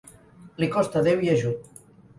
Li costa déu i ajut.